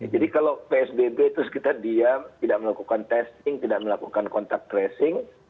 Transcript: jadi kalau psbb itu sekitar diam tidak melakukan testing tidak melakukan kontak tracing